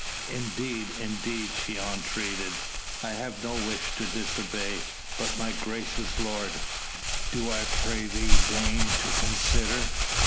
"Indeed, indeed," she entreated, "I have no wish to disobey ... but my gracious lord ... do I pray thee deign to consider